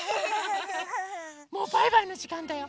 もうバイバイのじかんだよ。